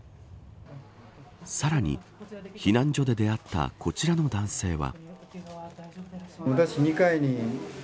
さらに、避難所で出会ったこちらの男性は。